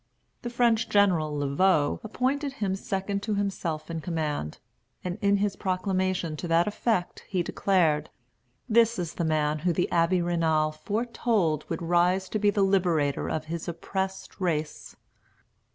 The French general Laveaux appointed him second to himself in command; and, in his proclamation to that effect, he declared: "This is the man whom the Abbé Raynal foretold would rise to be the liberator of his oppressed race."